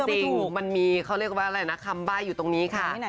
จริงมันมีเขาเรียกว่าอะไรนะคำใบ้อยู่ตรงนี้ค่ะ